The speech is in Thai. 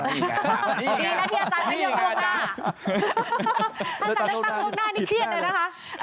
แล้วที่อาจารย์ตั้งโลกหน้านี่เครียดเลยนะคะ